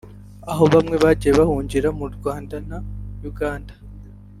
aho bamwe bagiye bahungira mu Rwanda na Uganda